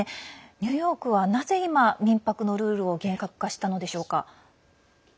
ニューヨークは、なぜ今民泊のルールを厳格化したのでしょうか。